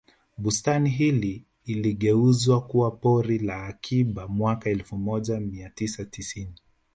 Bustani hii iligeuzwa kuwa pori la akiba mwaka elfu moja mia tisa tisini